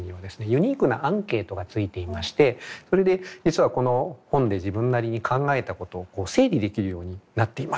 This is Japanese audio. ユニークなアンケートが付いていましてそれで実はこの本で自分なりに考えたことを整理できるようになっています。